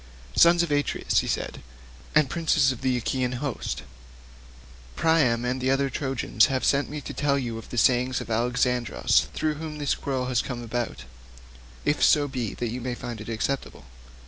"Son of Atreus," he said, "and princes of the Achaean host, Priam and the other noble Trojans have sent me to tell you the saying of Alexandrus through whom this quarrel has come about, if so be that you may find it acceptable.